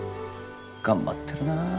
頑張ってるな。